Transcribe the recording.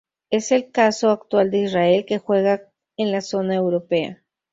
Es el caso actual de Israel, que juega en la zona europea.